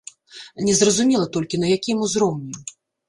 Незразумела толькі, на якім узроўні.